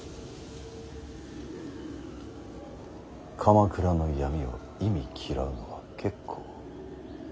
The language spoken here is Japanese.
鎌倉の闇を忌み嫌うのは結構。